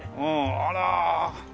あら。